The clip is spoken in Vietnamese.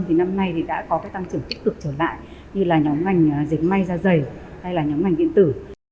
thì năm nay thì đã có cái tăng trưởng tích cực trở lại như là nhóm ngành dịch may ra dày hay là nhóm ngành điện tử